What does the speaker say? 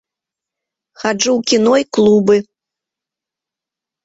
Хаджу ў кіно і клубы.